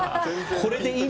「これでいいの？」